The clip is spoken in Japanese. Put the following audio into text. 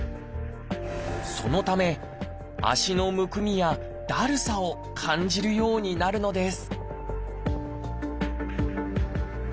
そのため足のむくみやだるさを感じるようになるのです